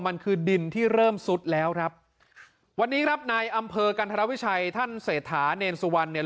มันคือดินที่เริ่มซุดแล้วครับวันนี้ครับนายอำเภอกันธรวิชัยท่านเศรษฐาเนรสุวรรณเนี่ย